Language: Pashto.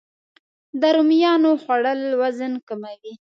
د رومیانو خوړل وزن کموي